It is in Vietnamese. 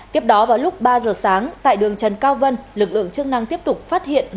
tiếp đó vào lúc ba giờ sáng tại đường trần cao vân lực lượng chức năng tiếp tục phát hiện